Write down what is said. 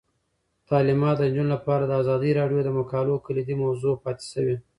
تعلیمات د نجونو لپاره د ازادي راډیو د مقالو کلیدي موضوع پاتې شوی.